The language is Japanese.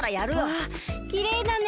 わあきれいだね。